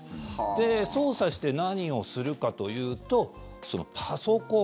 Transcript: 操作して何をするかというとそのパソコン